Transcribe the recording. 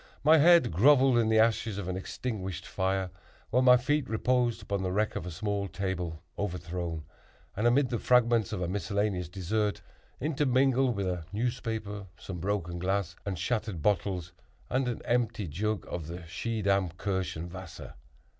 My head grovelled in the ashes of an extinguished fire, while my feet reposed upon the wreck of a small table, overthrown, and amid the fragments of a miscellaneous dessert, intermingled with a newspaper, some broken glass and shattered bottles, and an empty jug of the Schiedam Kirschenwasser.